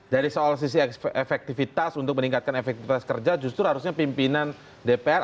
dari soal sisi efektivitas untuk meningkatkan efektivitas kerja justru harusnya pimpinan dpr